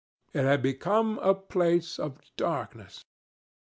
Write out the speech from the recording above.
It had become a place of darkness.